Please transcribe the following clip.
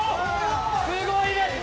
すごいです！